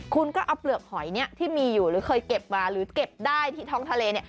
คุณก็เอาเปลือกหอยที่มีอยู่หรือเคยเก็บมาหรือเก็บได้ที่ท้องทะเลเนี่ย